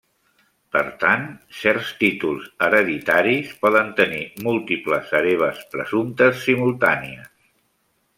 Per tant, certs títols hereditaris poden tenir múltiples hereves presumptes simultànies.